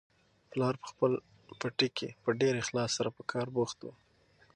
پلار په خپل پټي کې په ډېر اخلاص سره په کار بوخت و.